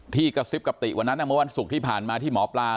กระซิบกับติวันนั้นเมื่อวันศุกร์ที่ผ่านมาที่หมอปลา